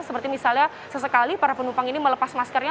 seperti misalnya sesekali para penumpang ini melepas maskernya